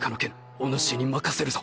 おぬしに任せるぞ！